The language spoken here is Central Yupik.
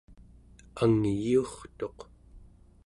angyiurtuq